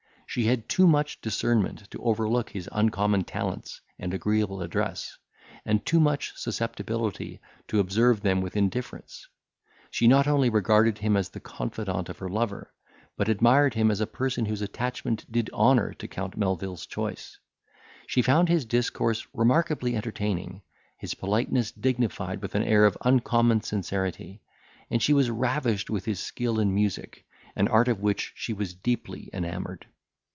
She had too much discernment to overlook his uncommon talents and agreeable address, and too much susceptibility to observe them with indifference. She not only regarded him as the confidant of her lover, but admired him as a person whose attachment did honour to Count Melvil's choice. She found his discourse remarkably entertaining, his politeness dignified with an air of uncommon sincerity, and she was ravished with his skill in music, an art of which she was deeply enamoured.